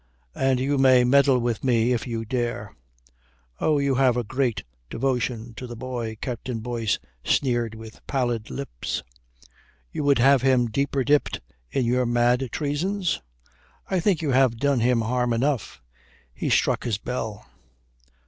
And you may meddle with me if you dare." "Oh, you have a great devotion to the boy," Colonel Boyce sneered with pallid lips. "You would have him deeper dipped in your mad treasons? I think you have done him harm enough." He struck his bell.